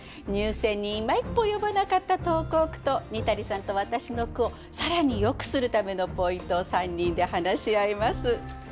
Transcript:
入選に今一歩及ばなかった投稿句とにたりさんと私の句を更によくするためのポイントを３人で話し合います。